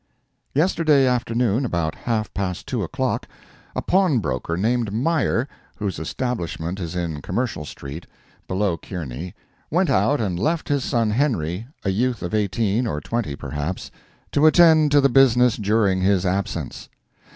Yesterday afternoon about half past two o'clock, a pawnbroker named Meyer, whose establishment is in Commercial street, below Kearny, went out and left his son Henry, a youth of eighteen or twenty, perhaps, to attend to the business during his absence.